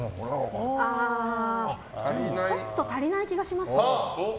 ちょっと足りない気がしますね。